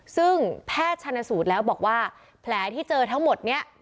ซึ่งแพทย์ชนสูตรแล้วบอกว่าแผลที่เจอทั้งหมดนี้